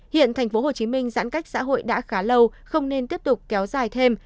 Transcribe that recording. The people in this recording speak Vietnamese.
hiện thành phố hồ chí minh giãn cách xã hội đã khá lâu không nên tiếp tục kéo dài thêm